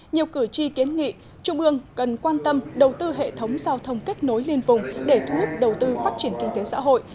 nhiều cử tri kiến nghị trung ương cần quan tâm đầu tư hệ thống giao thông kết nối liên vùng để thu hút đầu tư phát triển kinh tế xã hội